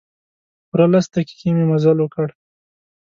پوره لس دقیقې مې مزل وکړ.